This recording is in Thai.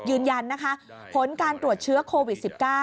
ยืนยันนะคะผลการตรวจเชื้อโควิด๑๙